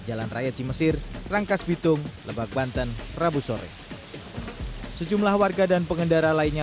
jalan raya cimesir rangkas bitung lebak banten rabu sore sejumlah warga dan pengendara lainnya